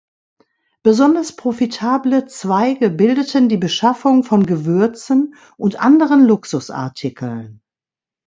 Besonders profitable Zweige bildeten die Beschaffung von Gewürzen und anderen Luxusartikeln.